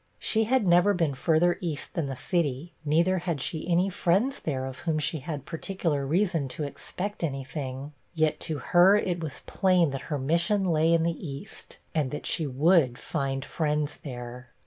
She had never been further east than the city, neither had she any friends there of whom she had particular reason to expect any thing; yet to her it was plain that her mission lay in the east, and that she would find friends there.